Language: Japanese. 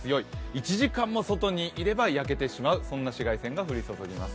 １時間も外にいれば焼けてしまう、そんな紫外線が降り注ぎます。